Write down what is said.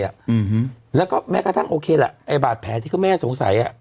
อืมแล้วก็แม้กระทั่งโอเคแหละไอ้บาดแผลที่ก็แม่สงสัยอ่ะ